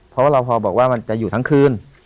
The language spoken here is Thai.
ที่รอภบอกว่ามันจะอยู่ทั้งคืน